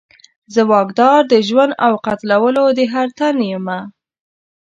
زه واکدار د ژوند او قتلولو د هر تن یمه